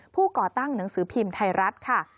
ก่อตั้งหนังสือพิมพ์ไทยรัฐค่ะ